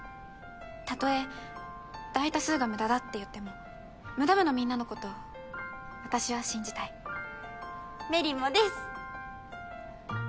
たとえ大多数が無駄だって言ってもムダ部のみんなのこと私は信じたい芽李もです